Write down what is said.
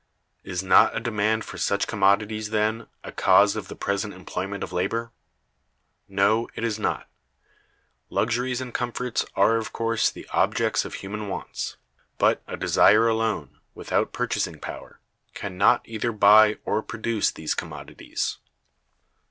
Is not a demand for such commodities, then, a cause of the present employment of labor? No, it is not. Luxuries and comforts are of course the objects of human wants; but a desire alone, without purchasing power, can not either buy or produce these commodities.